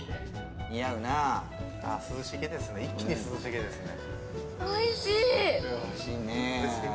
似合うな、涼しげですね、一気に涼しげですね。